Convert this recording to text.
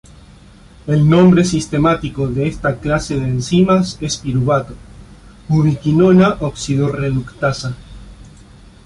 El nombre sistemático de esta clase de enzimas es piruvato:ubiquinona oxidorreductasa.